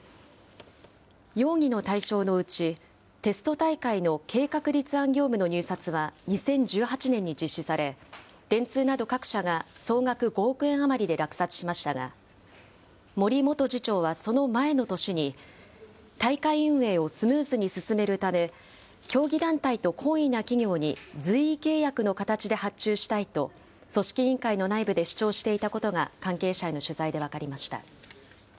容疑の対象のうち、テスト大会の計画立案業務の入札は２０１８年に実施され、電通など各社が総額５億円余りで落札しましたが、森元次長はその前の年に、大会運営をスムーズに進めるため、競技団体と懇意な企業に、随意契約の形で発注したいと、組織委員会の内部で主張していたことが関係者への取材で分かりました。